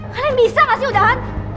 kalian bisa gak sih udahan